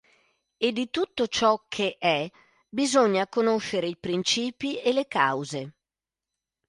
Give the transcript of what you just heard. E di tutto ciò "che è" bisogna conoscere i princìpi e le cause.